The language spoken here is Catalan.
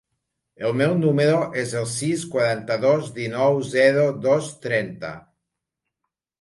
El meu número es el sis, quaranta-dos, dinou, zero, dos, trenta.